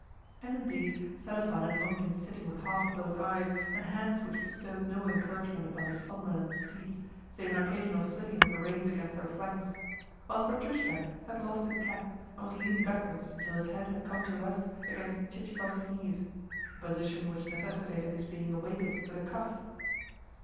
And indeed, Selifan had long been sitting with half closed eyes, and hands which bestowed no encouragement upon his somnolent steeds save an occasional flicking of the reins against their flanks; whilst Petrushka had lost his cap, and was leaning backwards until his head had come to rest against Chichikov's knees a position which necessitated his being awakened with a cuff.